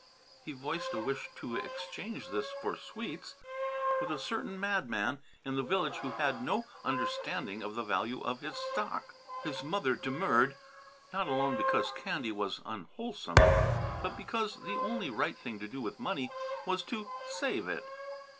He voiced a wish to exchange this for sweets with a certain madman in the village who had no understanding of the value of his stock. His mother demurred; not alone because candy was unwholesome, but because the only right thing to do with money was to "save" it.